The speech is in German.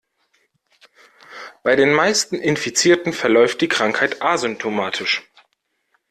Bei den meisten Infizierten verläuft die Krankheit asymptomatisch.